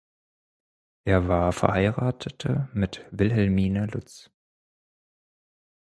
Er war verheiratete mit Wilhelmine Lutz.